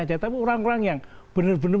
saja tapi orang orang yang benar benar